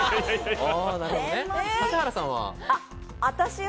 指原さんは？